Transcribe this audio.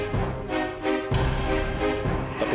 tapi sesuatu yang terjadi